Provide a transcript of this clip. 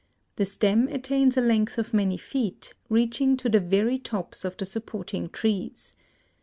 The stem attains a length of many feet, reaching to the very tops of the supporting trees.